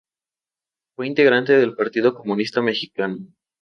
Fue integrante del Partido Comunista Mexicano.